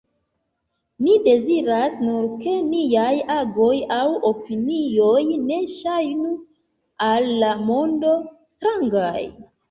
Ni deziras nur ke niaj agoj aŭ opinioj ne ŝajnu al la mondo strangaj.